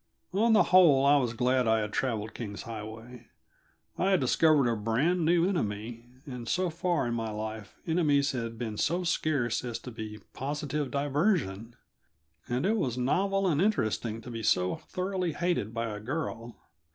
On the whole, I was glad I had traveled King's Highway. I had discovered a brand new enemy and so far in my life enemies had been so scarce as to be a positive diversion. And it was novel and interesting to be so thoroughly hated by a girl.